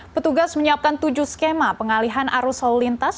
petugas menyiapkan tujuh skema pengalihan arus lalu lintas